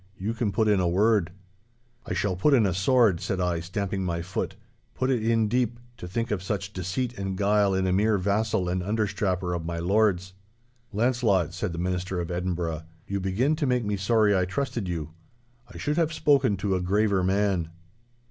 You can put in a word—' 'I shall put in a sword,' said I, stamping my foot; 'put it in deep—to think of such deceit and guile in a mere vassal and understrapper of my lord's.' 'Launcelot,' said the Minister of Edinburgh, 'you begin to make me sorry I trusted you. I should have spoken to a graver man.